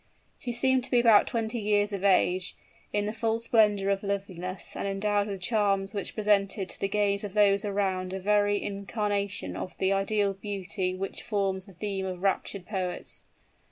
She seemed to be about twenty years of age, in the full splendor of loveliness, and endowed with charms which presented to the gaze of those around a very incarnation of the ideal beauty which forms the theme of raptured poets.